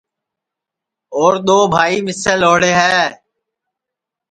اور دؔؔوبھائی مِسے لھوڑے ہے